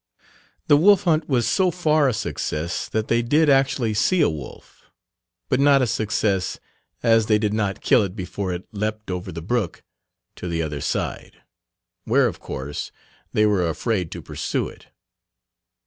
The wolf hunt was so far a success that they did actually see a wolf, but not a success, as they did not kill it before it leapt over the brook to the "other side," where, of course, they were afraid to pursue it.